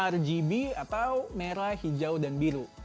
rgb atau merah hijau dan biru